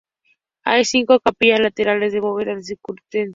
Hay cinco capillas laterales de bóveda de crucería.